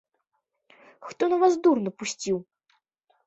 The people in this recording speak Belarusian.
Хто на вас дур напусціў?